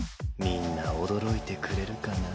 みんな驚いてくれるかな？